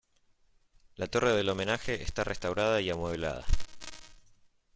La torre del homenaje está restaurada y amueblada.